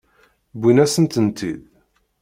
Wwin-asen-tent-id.